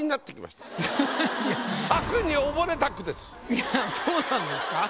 いやそうなんですか？